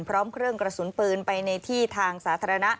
พร้อมเครื่องกระสุนปืนไปในที่ทางสาธารณะ